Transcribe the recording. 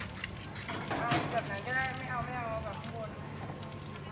สุดท้ายสุดท้ายสุดท้าย